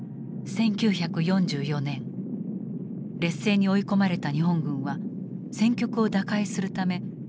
１９４４年劣勢に追い込まれた日本軍は戦局を打開するためある作戦を開始した。